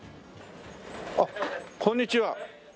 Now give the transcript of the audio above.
あっこんにちは。